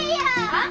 あっ？